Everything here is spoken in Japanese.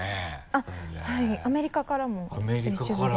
あっはいアメリカからもＹｏｕＴｕｂｅで。